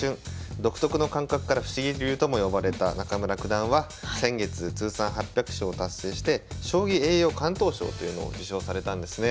独特の感覚から不思議流とも呼ばれた中村九段は先月通算８００勝を達成して将棋栄誉敢闘賞というのを受賞されたんですね。